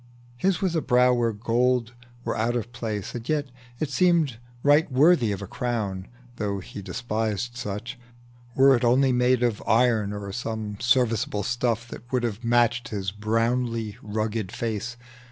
His was a brow where gold were out of place, And yet it seemed right worthy of a crown, (Though he despised such,) were it only made Of iron, or some serviceable stuff That would have matched his sinewy, brown face.